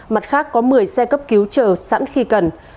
mặt khác có một mươi xe cấp cứu chờ sẵn khi cần